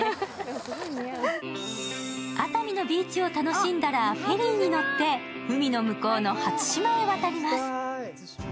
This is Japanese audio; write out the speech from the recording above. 熱海のビーチを楽しんだらフェリーに乗って海の向こうの初島へ渡ります。